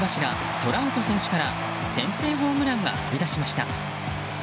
トラウト選手から先制ホームランが飛び出しました。